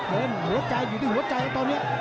หัวใจอยู่ที่หัวใจแล้วตอนนี้